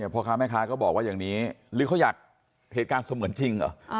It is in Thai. พ่อค้าแม่ค้าก็บอกว่าอย่างนี้หรือเขาอยากเหตุการณ์เสมือนจริงเหรอ